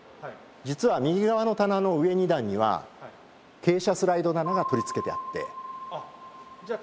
実は右側の棚の上２段には傾斜スライド棚が取り付けてあってじゃ